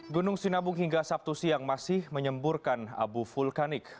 gunung sinabung hingga sabtu siang masih menyemburkan abu vulkanik